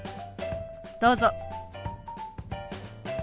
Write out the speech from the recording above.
どうぞ。